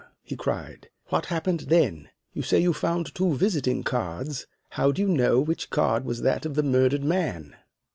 he cried. "What happened then? You say you found two visiting cards. How do you know which card was that of the murdered man?"